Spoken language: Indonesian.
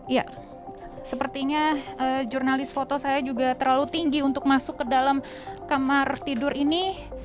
ya sepertinya jurnalis foto saya juga terlalu tinggi untuk masuk ke dalam kamar tidur ini